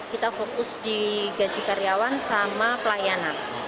kita fokus di gaji karyawan sama pelayanan